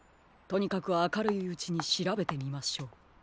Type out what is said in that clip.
とにかくあかるいうちにしらべてみましょう。